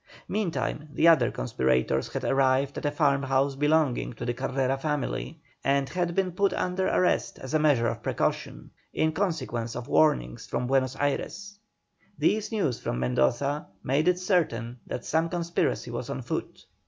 Meantime the other conspirators had arrived at a farmhouse belonging to the Carrera family, and had been put under arrest as a measure of precaution, in consequence of warnings from Buenos Ayres. These news from Mendoza made it certain that some conspiracy was on foot.